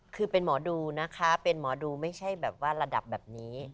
คือเป็นหมอดูนะคะเป็นหมอดูไม่ใช่แบบว่าระดับแบบนี้